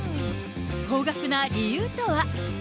高額な理由とは。